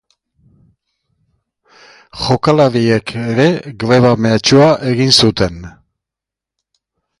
Jokalariek ere greba mehatxua egin zuten.